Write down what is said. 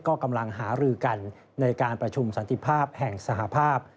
ก็กำลังหารือกันในการประชุมสันติภาพแห่งสหภาพ